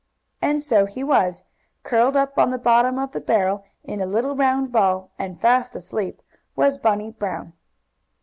And so he was! Curled up on the bottom of the barrel, in a little round ball, and fast asleep, was Bunny Brown.